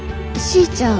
しーちゃん。